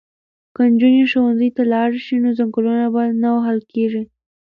که نجونې ښوونځي ته لاړې شي نو ځنګلونه به نه وهل کیږي.